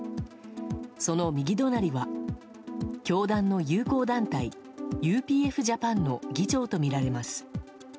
その右隣は教団の友好団体ＵＰＦ‐Ｊａｐａｎの議長とみられます。